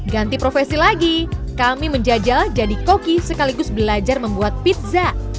ganti profesi lagi kami menjajal jadi koki sekaligus belajar membuat pizza